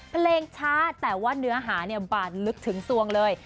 เพลงช้าแต่ว่าเนื้อหาเนี่ยบาดลึกถึงสวงเลย